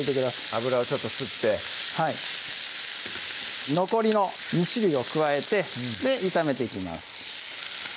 油をちょっと吸ってはい残りの２種類を加えて炒めていきます